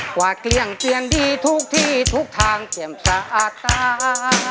กว่าเกลี้ยงเสียงดีทุกที่ทุกทางเตรียมสะอาดตา